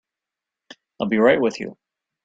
I'll be right with you.